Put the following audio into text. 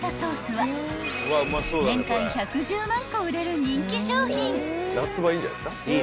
［年間１１０万個売れる人気商品］